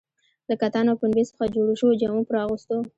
له کتان او پنبې څخه جوړو شویو جامو پر اغوستو.